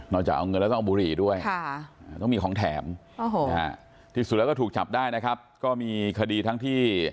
จะเอาเงินแล้วต้องเอาบุหรี่ด้วยต้องมีของแถมที่สุดแล้วก็ถูกจับได้นะครับก็มีคดีทั้งที่